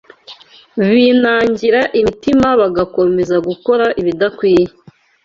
Binangira imitima bagakomeza gukora ibidakwiye